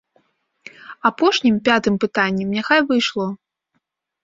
Апошнім, пятым пытаннем няхай бы ішло.